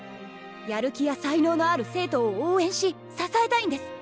やる気や才能のある生徒を応援し支えたいんです。